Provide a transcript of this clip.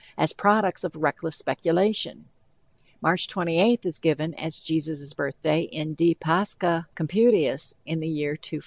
as products of reckless speculation. March 28th is given as Jesus' birthday in De Pascha Computius, in the year 243.